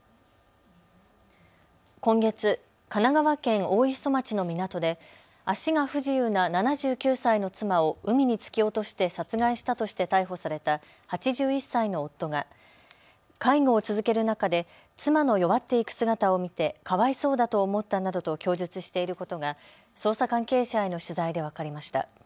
今月、神奈川県大磯町の港で足が不自由な７９歳の妻を海に突き落として殺害したとして逮捕された８１歳の夫が介護を続ける中で妻の弱っていく姿を見てかわいそうだと思ったなどと供述していることが捜査関係者への取材で分かりました。